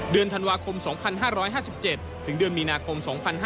เดือนธันวาคม๒๕๕๗ถึงเดือนมีนาคม๒๕๕๙